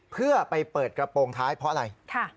เพื่อไปเปิดกระโปรงท้ายเพราะอะไร